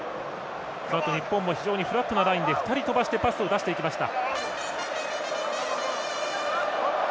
そのあと日本も非常にフラットなラインで、２人飛ばしてパスを出していきました。